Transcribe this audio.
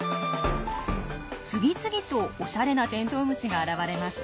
次々とおしゃれなテントウムシが現れます。